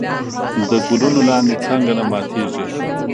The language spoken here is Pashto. د ګلونو لاندې څانګه نه ماتېږي.